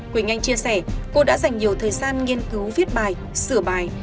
quỳnh anh chia sẻ cô đã dành nhiều thời gian nghiên cứu viết bài sửa bài